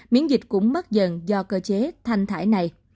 miễn dịch cũng mất dần do cơ chế thanh thải này